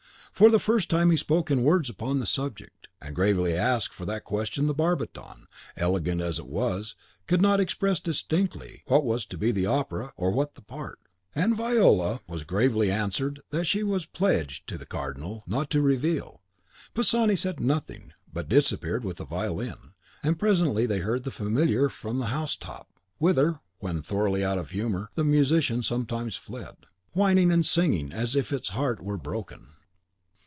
For the first time he spoke in words upon the subject, and gravely asked for that question the barbiton, eloquent as it was, could not express distinctly what was to be the opera, and what the part? And Viola as gravely answered that she was pledged to the Cardinal not to reveal. Pisani said nothing, but disappeared with the violin; and presently they heard the Familiar from the house top (whither, when thoroughly out of humour, the musician sometimes fled), whining and sighing as if its heart were broken.